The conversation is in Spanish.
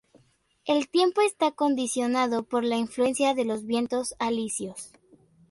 El tiempo está condicionado por la influencia de los vientos alisios.